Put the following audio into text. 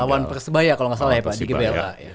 lawan persebaya kalau tidak salah pak di gplk